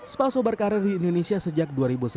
spaso berkarir di indonesia sejak dua ribu sebelas